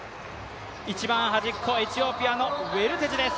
一番端っこ、エチオピアのウェルテジです。